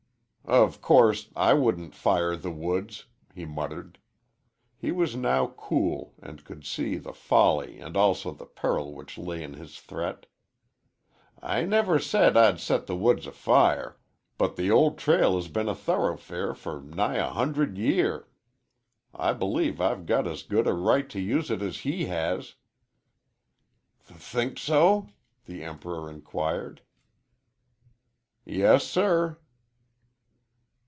"Of course, I wouldn't fire the woods," he muttered. He was now cool, and could see the folly and also the peril which lay in his threat. "I never said I'd set the woods afire, but the ol' trail has been a thoroughfare for nigh a hunderd year. I believe I've got as good a right to use it as he has." "Th think so?" the Emperor inquired. "Yes, sir."